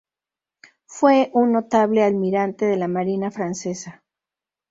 Fue un notable almirante de la marina francesa.